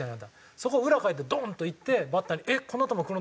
そこを裏かいてドンといってバッターにえっこんな球くるん？